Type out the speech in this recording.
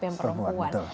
yang berada di dalam